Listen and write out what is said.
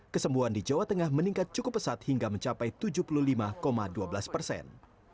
kesembuhan di jawa tengah meningkat cukup pesat hingga mencapai tujuh puluh lima dua belas persen